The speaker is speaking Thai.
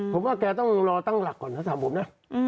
ผมว่าแกต้องรอตั้งหลักก่อนถ้าถามผมนะ